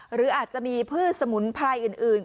หรืออาจจะมีพืชสมุนไพรอื่น